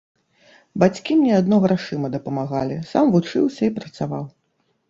Бацькі мне адно грашыма дапамагалі, сам вучыўся і працаваў.